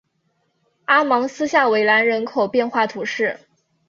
阿芒斯下韦兰人口变化图示